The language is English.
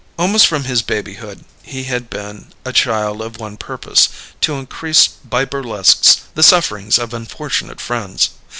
Almost from his babyhood he had been a child of one purpose: to increase by burlesques the sufferings of unfortunate friends.